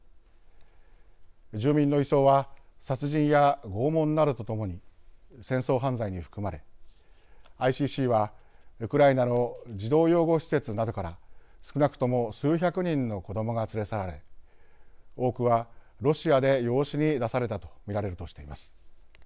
住民の移送は殺人や拷問などとともに戦争犯罪に含まれＩＣＣは、ウクライナの児童養護施設などから少なくとも数百人の子どもが連れ去られ多くはロシアで養子に出されたと見られるとしています。